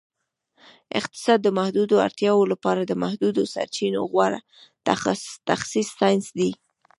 اقتصاد د محدودو اړتیاوو لپاره د محدودو سرچینو غوره تخصیص ساینس دی